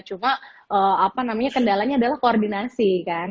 cuma apa namanya kendalanya adalah koordinasi kan